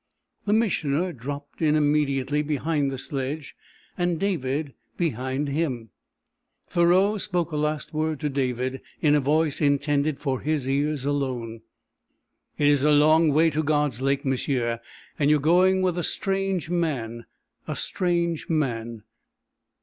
The Missioner dropped in immediately behind the sledge, and David behind him. Thoreau spoke a last word to David, in a voice intended for his ears alone. "It is a long way to God's Lake, m'sieu, and you are going with a strange man a strange man.